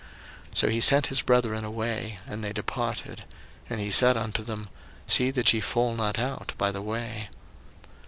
01:045:024 So he sent his brethren away, and they departed: and he said unto them, See that ye fall not out by the way.